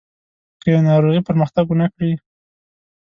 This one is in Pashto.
که یې ناروغي پرمختګ ونه کړي.